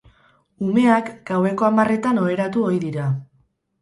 Umeak gaueko hamarretan oheratu ohi dira.